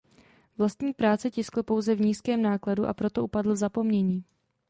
Vlastní práce tiskl pouze v nízkém nákladu a proto upadl v zapomnění.